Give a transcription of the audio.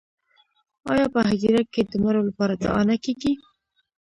آیا په هدیره کې د مړو لپاره دعا نه کیږي؟